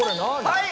はい。